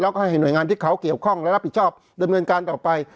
แล้วก็ให้หน่วยงานที่เขาเกี่ยวข้องและรับผิดชอบดำเนินการต่อไป